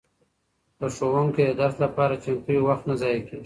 که ښوونکی د درس لپاره چمتو وي وخت نه ضایع کیږي.